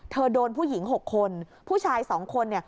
เธอโดนผู้หญิง๖คนผู้ชาย๒คน